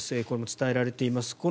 これも伝えられています。